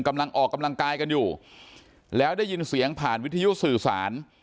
กำลังออกกำลังกายกันอยู่แล้วได้ยินเสียงผ่านวิทยุสื่อสาร